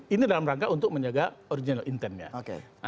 ini dalam rangka untuk menjaga original intent nya